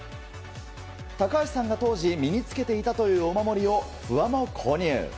高橋さんが当時に身に着けていたというお守りを不破も購入。